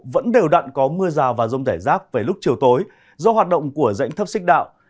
vẫn đều đặn có mưa rào và rông rải rác về lúc chiều tối do hoạt động của dãy thấp xích đạo